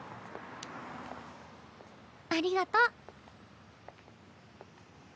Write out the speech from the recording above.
ありがと。